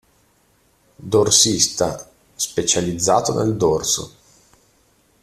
Dorsista: Specializzato nel dorso.